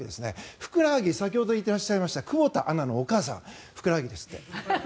ふくらはぎ先ほどいらっしゃいました久保田アナのお母さんはふくらはぎですって。